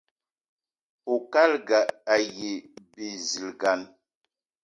Oukalga aye bizilgan.